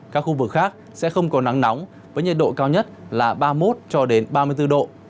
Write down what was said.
các khu vực khác sẽ không có nắng nóng với nhật độ cao nhất là ba mươi một ba mươi bốn độ